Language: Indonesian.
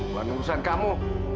buat urusan kamu